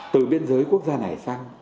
từ biên giới quốc gia này sang